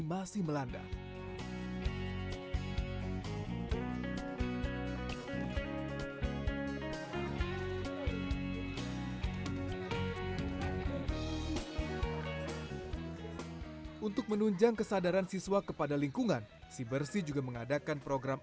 masih melanda untuk menunjang kesadaran siswa kepada lingkungan si bersih juga mengadakan program